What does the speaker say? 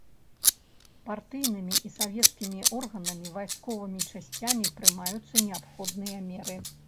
Партыйнымі і савецкімі органамі, вайсковымі часцямі прымаюцца неабходныя меры.